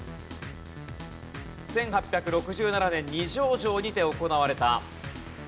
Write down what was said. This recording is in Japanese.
１８６７年二条城にて行われた。